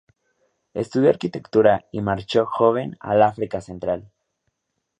Estudió arquitectura y marchó joven al África Central.